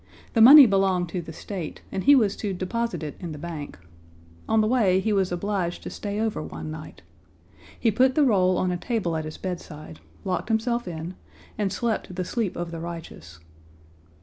The money belonged to the State and he was to deposit it in the bank. On the way he was obliged to stay over one night. He put the roll on a table at his bedside, locked himself in, and slept the sleep of the righteous.